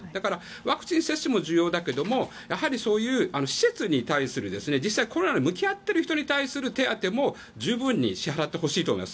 ワクチン接種も大事だけどやはりそういう施設に対する実際コロナに向き合っている人の手当てにも十分に向き合ってほしいと思います。